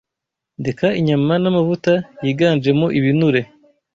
ndeka inyama n’amavuta yiganjemo ibinure